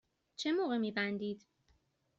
چه موقع می بندید؟